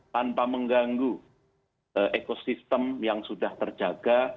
tanpa mengganggu ekosistem yang sudah terjaga